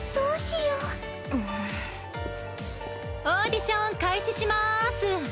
オーディション開始します。